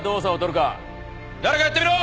誰かやってみろ！